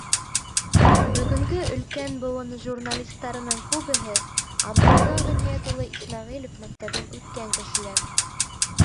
Бөгөнгө өлкән быуын журналистарының күбеһе Абдулла Ғиниәт улы Исмәғилев мәктәбен үткән кешеләр.